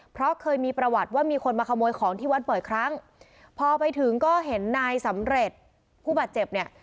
เพราะเคยมีประวัติว่ามีคนมาขโมยของที่วัดบ่อยครั้งพอไปถึงก็เห็นนายสำเร็จผู้บาดเจ็บเนี่ย